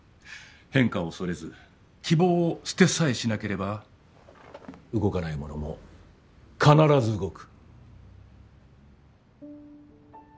変化を恐れず希望を捨てさえしなければ動かないものも必ず動く。